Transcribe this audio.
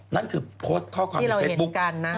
นั่นคือโพสต์ข้อความในเฟซบุ๊ก